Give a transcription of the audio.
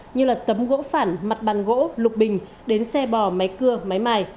như là tấm gỗ phản mặt bàn gỗ lục bình đến xe bò máy cưa máy mài